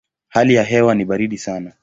Hali ya hewa ni baridi sana.